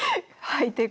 はい。